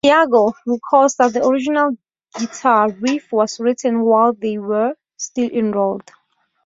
Santiago recalls that the original guitar riff was written while they were still enrolled.